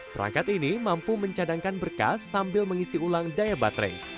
perangkat ini mampu mencadangkan berkas sambil mengisi ulang daya baterai